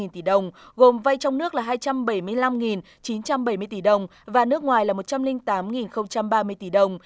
ba trăm tám mươi bốn tỷ đồng gồm vay trong nước là hai trăm bảy mươi năm chín trăm bảy mươi tỷ đồng và nước ngoài là một trăm linh tám ba mươi tỷ đồng